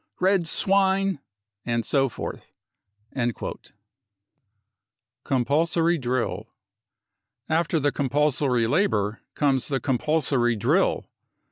5 4 Red swine ! 5 and so forth. .... Compulsory Drill. After the compulsory labour comes compulsory drill.